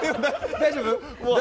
大丈夫？